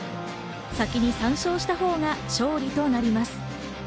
先に３勝したほうが勝利となります。